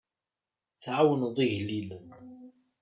Tɛawneḍ igellilen.